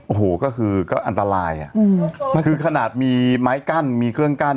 โอ้โหก็คือก็อันตรายอ่ะอืมคือขนาดมีไม้กั้นมีเครื่องกั้น